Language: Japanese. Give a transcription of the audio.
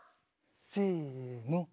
せの。